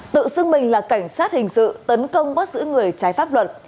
tự xứng bình là cảnh sát hình sự tấn công bắt giữ người trái pháp luật